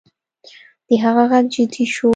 د هغه غږ جدي شو